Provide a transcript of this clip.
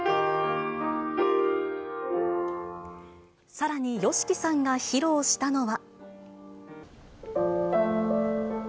さらにＹＯＳＨＩＫＩさんが披露したのは。